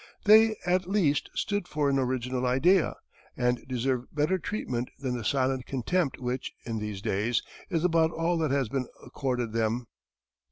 They, at least, stood for an original idea, and deserve better treatment than the silent contempt which, in these days, is about all that has been accorded them.